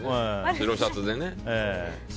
白シャツでね。